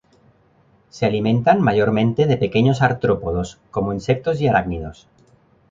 Se alimentan mayormente de pequeños artrópodos, como insectos y arácnidos.